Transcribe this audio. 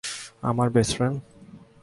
আমার best friend?